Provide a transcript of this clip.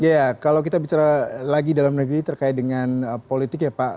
ya kalau kita bicara lagi dalam negeri terkait dengan politik ya pak